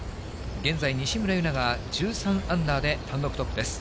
現在、西村優菜が１３アンダーで単独トップです。